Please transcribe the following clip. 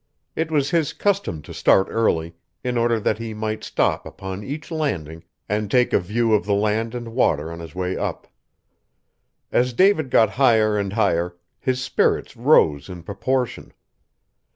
It was his custom to start early, in order that he might stop upon each landing and take a view of the land and water on his way up. As David got higher and higher, his spirits rose in proportion.